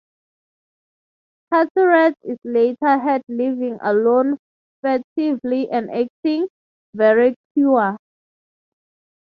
Carteret is later heard leaving alone furtively and acting "very queer".